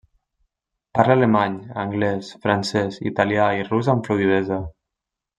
Parla alemany, anglès, francès, italià i rus amb fluïdesa.